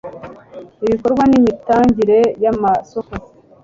ibikorwa n imitangire y amasoko